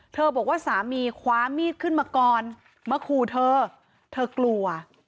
บอกว่าสามีคว้ามีดขึ้นมาก่อนมาขู่เธอเธอกลัว